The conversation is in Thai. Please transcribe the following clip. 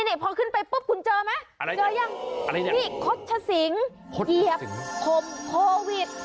นี่พอขึ้นไปปุ๊บคุณเจอไหมอะไรเจอยังอะไรนะนี่คดชะสิงเหยียบขมโควิด